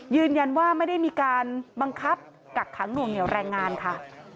ยืนยันว่าไม่ได้มีการบังคับกักขังหน่วงเหนียวแรงงานค่ะ